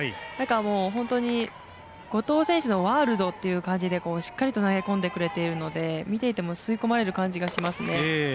本当に、後藤選手のワールドという感じでしっかりと投げ込んできているので吸い込まれる感じがしますね。